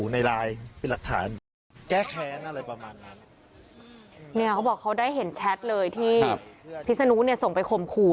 เนี่ยเขาบอกเขาได้เห็นแชทเลยที่พิษฎานุส่งไปข่มขู่